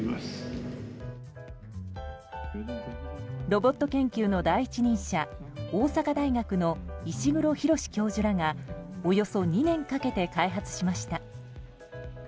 ロボット研究の第一人者大阪大学の石黒浩教授らがおよそ２年かけて開発しました。